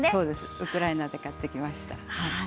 ウクライナで買ってきました。